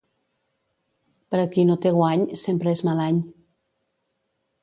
Per a qui no té guany, sempre és mal any.